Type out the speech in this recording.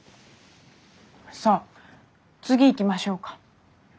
さあ次いきましょうか。